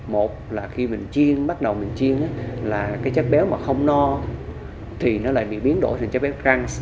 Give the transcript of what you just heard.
một là khi mình chiên bắt đầu mình chiêng là cái chất béo mà không no thì nó lại bị biến đổi thành chất béo răng